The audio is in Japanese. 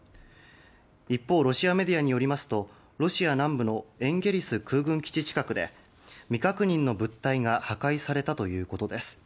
一方ロシアメディアによりますとロシア南部のエンゲリス空軍基地で未確認の物体が破壊されたということです。